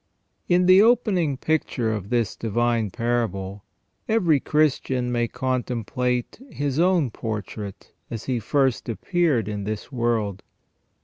IN the opening picture of this divine parable every Christian may comtemplate his own portrait as he first appeared in this world.